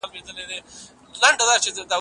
چنګ دي کم رباب دي کم سارنګ دي کم